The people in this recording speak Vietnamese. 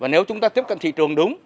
nếu chúng ta tiếp cận thị trường đúng